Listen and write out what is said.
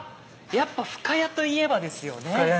やっぱ深谷といえばですよね？